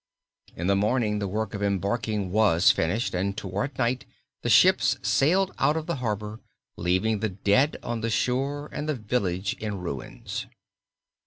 In the morning the work of embarking was finished and toward night the ships sailed out of the harbor leaving the dead on the shore and the village in ruins.